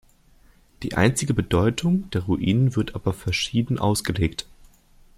Die einstige Bedeutung der Ruine wird aber verschieden ausgelegt.